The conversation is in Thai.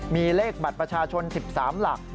มีเลขบัตรประชาชน๑๓หลัก